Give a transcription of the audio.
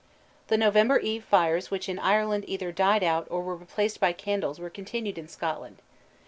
The November Eve fires which in Ireland either died out or were replaced by candles were continued in Scotland.